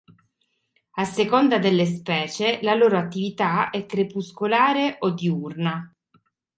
A seconda delle specie la loro attività è crepuscolare o diurna.